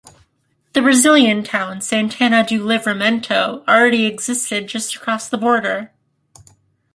The Brazilian town Santana do Livramento already existed just across the border.